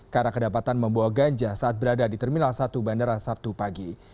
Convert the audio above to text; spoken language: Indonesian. karena kedapatan membawa ganja saat berada di terminal satu bandara sabtu pagi